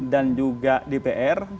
dan juga dpr